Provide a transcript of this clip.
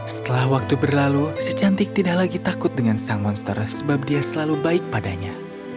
setelah waktu berlalu si cantik tidak lagi takut dengan sang monster sebab dia selalu baik padanya